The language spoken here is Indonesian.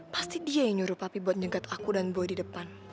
pasti dia yang nyuruh papi buat nyengkat aku dan boy di depan